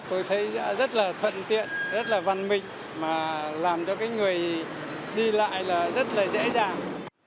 tôi thấy rất là thuận tiện rất là văn minh mà làm cho cái người đi lại là rất là dễ dàng